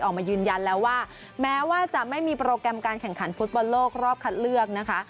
ออกมายืนยันแล้วว่าแม้ว่าจะไม่มีโปรแกรมการแข่งขันฟุตบอลโลกรอบคัดเลือกนะคะ